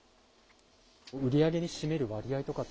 売り上げに占める割合とかって。